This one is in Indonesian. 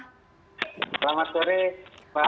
selamat sore pak